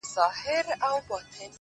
چي د ارواوو په نظر کي بند سي ـ